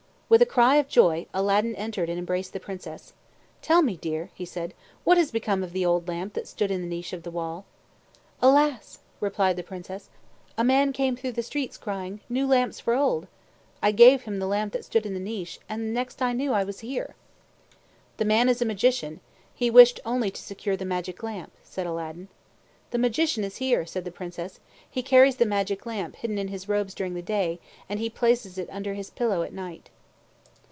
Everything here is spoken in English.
With a cry of joy, Aladdin entered and embraced the Princess. "Tell me, dear," said he, "what has become of the old lamp that stood in the niche of the wall?" "Alas!" replied the Princess. "A man came through the streets, crying, 'New lamps for old!' I gave him the lamp that stood in the niche, and the next I knew I was here." "The man is a Magician. He wished only to secure the magic lamp," said Aladdin. "The Magician is here," said the Princess. "He carries the magic lamp hidden in his robes during the day, and he places it under his pillow at night."